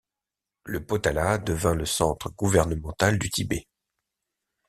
Le Potala devint le centre gouvernemental du Tibet.